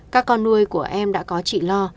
các con nuôi của em đã có chị lo